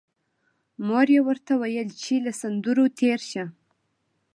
مور یې ورته ویل چې له سندرو تېر شه